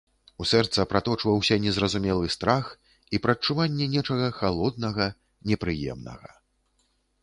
У сэрца праточваўся незразумелы страх і прадчуванне нечага халоднага, непрыемнага.